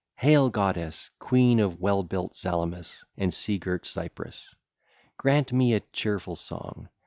(ll. 4 6) Hail, goddess, queen of well built Salamis and sea girt Cyprus; grant me a cheerful song.